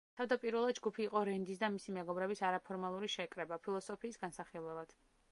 თავდაპირველად, ჯგუფი იყო რენდის და მისი მეგობრების არაფორმალური შეკრება, ფილოსოფიის განსახილველად.